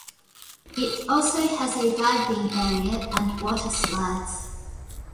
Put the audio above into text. It also has a diving area and water slides.